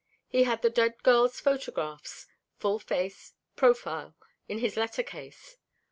He had the dead girl's photographs full face, profile in his letter case.